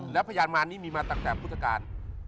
แล้วพยานมารนี้มีมาตั้งแต่พุทธการ